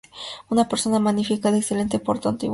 Una persona magnífica, de excelente porte y buen entendimiento.